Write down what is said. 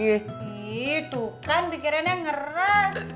ih tuh kan pikirannya ngeras